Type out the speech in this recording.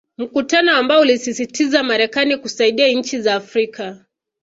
Mkutano ambao uliosisitiza Marekani kusaidia nchi za Afrika